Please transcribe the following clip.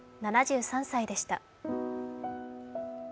７３歳でした。